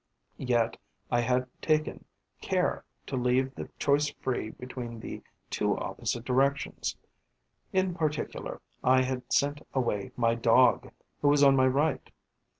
Yet I had taken care to leave the choice free between the two opposite directions: in particular, I had sent away my Dog, who was on my right.